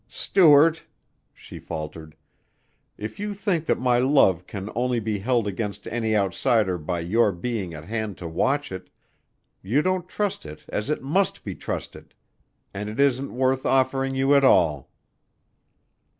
"Stuart," she faltered, "if you think that my love can only be held against any outsider by your being at hand to watch it, you don't trust it as it must be trusted and it isn't worth offering you at all."